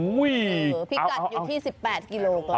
พิกัดอยู่ที่๑๘กิโลกรัม